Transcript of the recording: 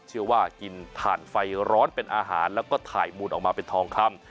เชื่อว่ากินถ่านไฟร้อนเป็นอาหารแล้วก็ถ่ายมูลออกมาเป็นทองคำ